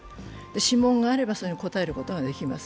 諮問があればそれに応えることができます。